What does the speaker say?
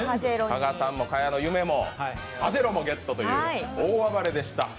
加賀さんも、賀屋の夢も、パジェロもゲットという大暴れでした。